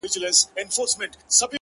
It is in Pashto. • کیسې د خان او د زامنو د آسونو کوي,